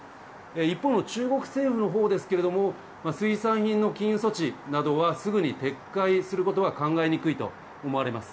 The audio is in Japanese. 一方の中国政府のほうですけれども、水産品の禁輸措置などは、すぐに撤回することは考えにくいと思われます。